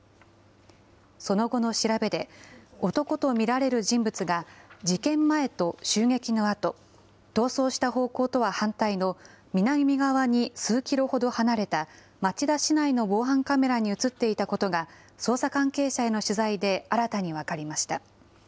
その後の調べで、男と見られる人物が事件前と襲撃のあと、逃走した方向とは反対の、南側に数キロほど離れた、町田市内の防犯カメラに写っていたことが、捜査関係者への取材で新たに分かりました。